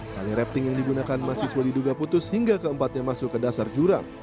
kali rapting yang digunakan mahasiswa diduga putus hingga keempatnya masuk ke dasar jurang